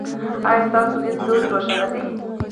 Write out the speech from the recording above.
ایا ستاسو لید لوری روښانه دی؟